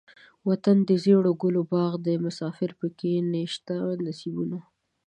وطن دزيړو ګلو باغ دے دمسافرو پکښې نيشته نصيبونه